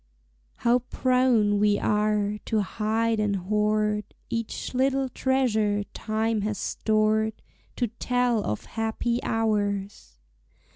How prone we are to hide and hoard Each little treasure time has stored, To tell of happy hours!